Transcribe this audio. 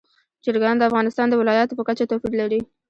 چرګان د افغانستان د ولایاتو په کچه توپیر لري.